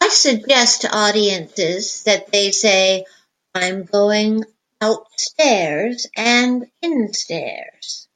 "I suggest to audiences that they say, 'I'm going "outstairs" and "instairs.